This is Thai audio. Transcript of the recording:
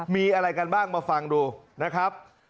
มีอะไรกันบ้างมาฟังดูนะครับ